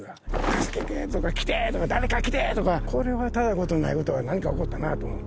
「助けて！」とか「来て！」とか「誰か来て！」とかこれはただ事ではない事がなんか起こったなと思って。